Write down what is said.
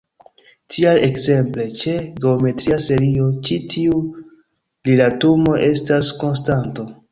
Tial, ekzemple, ĉe geometria serio, ĉi tiu rilatumo estas konstanto.